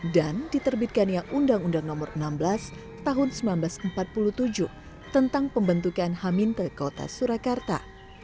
dan diterbitkan yang undang undang nomor enam belas tahun seribu sembilan ratus empat puluh tujuh tentang pembentukan hamil ke kota surakarta